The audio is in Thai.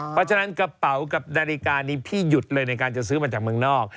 เพราะฉะนั้นกระเป๋ากับนาฬิกานี้พี่หยุดเลยในการจะซื้อมาจากเมืองนอก